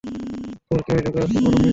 তোর কী ঐ লোকেদের অদ্ভুত মনে হয়নি?